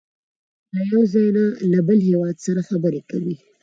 له یو ځای نه له بل هېواد سره خبرې کوي.